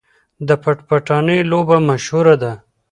د پټ پټانې لوبه مشهوره ده.